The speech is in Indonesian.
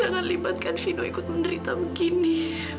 jangan libatkan sido ikut menderita begini